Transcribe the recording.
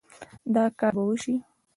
دا کار به وشي